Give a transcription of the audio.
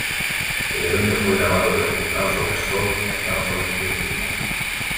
El evento fue grabado desde el Norfolk Scope en Norfolk, Virginia.